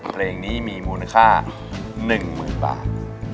เพลงนี้มีมูลค่า๑หมื่นบาท